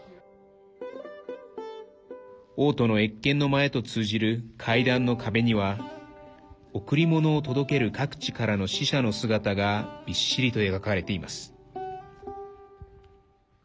王との謁見の間へと通じる階段の壁には贈り物を届ける各地からの使者の姿がびっしりと描かれています。